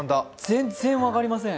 全然分かりません。